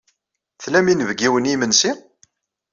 Tlam inebgiwen i yimensi?